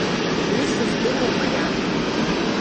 Уи сыздыруам, аиаша.